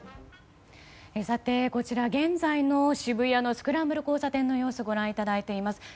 現在の渋谷のスクランブル交差点の様子をご覧いただいています。